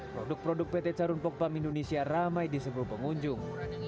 produk produk pt charun pokpan indonesia ramai disebut pengunjung